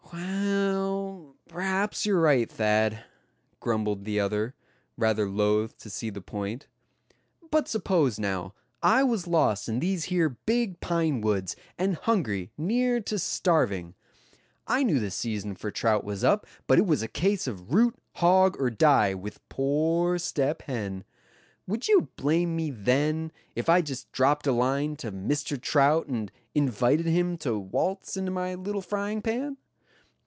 "Well, p'raps you're right, Thad," grumbled the other, rather loth to see the point; "but s'pose now, I was lost in these here big pine woods, and hungry near to starving. I knew the season for trout was up, but it was a case of 'root hog, or die,' with poor Step Hen. Would you blame me then, if I just dropped a line to Mr. Trout and invited him to waltz into my little frying pan?"